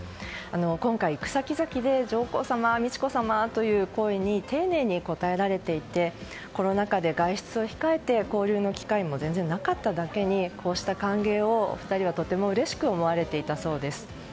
今回、行く先々で上皇さま、美智子さまという声に丁寧に応えられていてコロナ禍で外出を控えて交流の機会も全然なかっただけにこうした歓迎を２人はとてもうれしく思われていたそうです。